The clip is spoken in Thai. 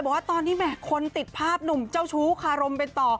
บอกว่าตอนนี้แหมคนติดภาพหนุ่มเจ้าชู้คารมไปต่อ